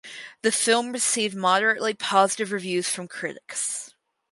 The film received moderately positive reviews from critics.